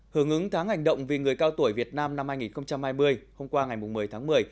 hướng ứng tháng hành động vì người cao tuổi việt nam năm hai nghìn hai mươi hôm qua ngày một mươi tháng một mươi